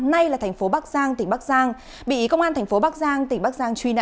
nay là thành phố bắc giang tỉnh bắc giang bị công an thành phố bắc giang tỉnh bắc giang truy nã